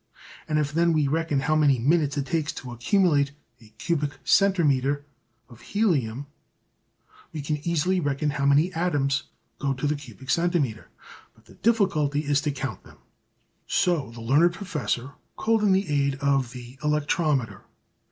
And if then we reckon how many minutes it takes to accumulate a cubic centimetre of helium we can easily reckon how many atoms go to the cubic centimetre. But the difficulty is to count them. So the learned Professor called in the aid of the electrometer.